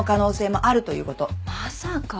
まさか。